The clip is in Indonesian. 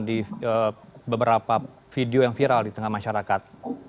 di beberapa video yang viral di tengah masyarakat